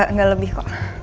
nggak lebih kok